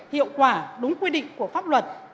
hiệu quả đúng quy định của pháp luật